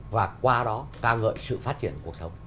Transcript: và qua đó ca ngợi sự phát triển cuộc sống